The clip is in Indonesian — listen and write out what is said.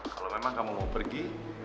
kalau memang kamu mau pergi